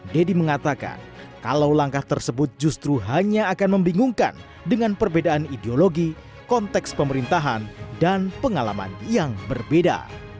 deddy mengatakan kalau langkah tersebut justru hanya akan membingungkan dengan perbedaan ideologi konteks pemerintahan dan pengalaman yang berbeda